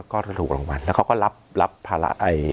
ก็ถูกรางวัลแล้วเขาก็รับภาระ